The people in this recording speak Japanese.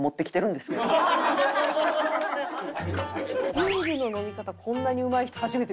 ビールの飲み方こんなにうまい人初めて見た。